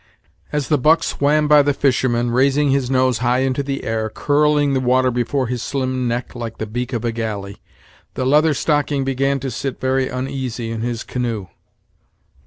As the buck swam by the fishermen, raising his nose high into the air, curling the water before his slim neck like the beak of a galley, the Leather Stocking began to sit very uneasy in his canoe.